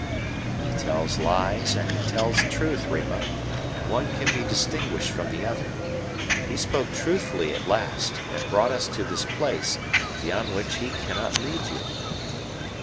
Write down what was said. "He tells lies and he tells truth, Rima, and one can be distinguished from the other. He spoke truthfully at last, and brought us to this place, beyond which he cannot lead you."